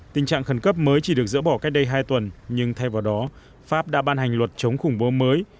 tình trạng khẩn cấp mới chỉ được dỡ bỏ cách đây hai tuần nhưng thay vào đó pháp đã ban hành luật chống khủng bố mới